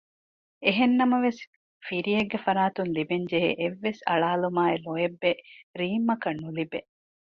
އެހެން ނަމަވެސް ފިރިއެއްގެ ފަރާތުން ލިބެންޖެހޭ އެއްވެސް އަޅާލުމާއި ލޯތްބެއް ރީމްއަކަށް ނުލިބޭ